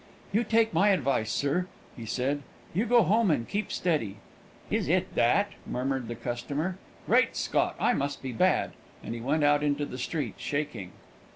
"You take my advice, sir," he said; "you go home and keep steady." "Is it that?" murmured the customer. "Great Scott! I must be bad!" and he went out into the street, shaking.